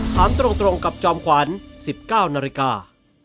ถามตรงกับจอมขวัญ๑๙นาฬิกา